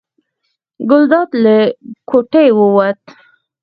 ګلداد له کوټې ووت.